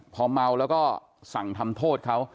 พอเมาแล้วก็สั่งทำโทษเขา